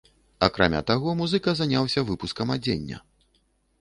Акрамя таго, музыка заняўся выпускам адзення.